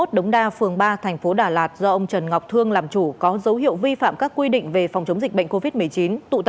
tại thành phố hồ chí minh và nhiều cơ sở y tế